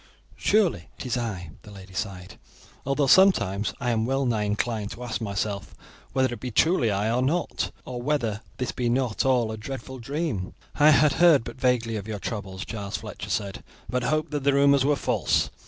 "Surely it is I," the lady sighed, "although sometimes I am well nigh inclined to ask myself whether it be truly I or not, or whether this be not all a dreadful dream." "I had heard but vaguely of your troubles," Giles Fletcher said, "but hoped that the rumours were false.